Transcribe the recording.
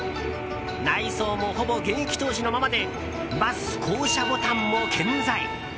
内装も、ほぼ現役当時のままでバス降車ボタンも健在。